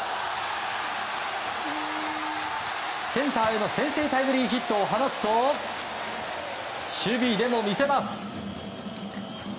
センターへの先制タイムリーヒットを放つと守備でも見せます。